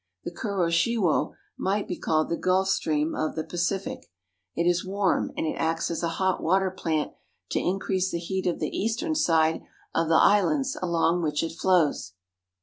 The Kuroshiwo might be called the Gulf Stream of the Pacific. It is warm, and it acts as a hot water plant to increase the heat of the eastern side of the islands along which it flows.